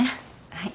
はい。